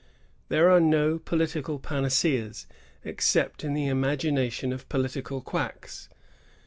There are no political panaceas, except in the imagination of political quacks.